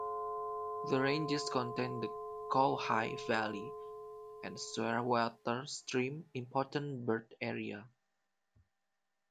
The ranges contain the Kowhai Valley and Shearwater Stream Important Bird Area.